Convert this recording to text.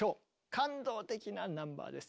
感動的なナンバーです。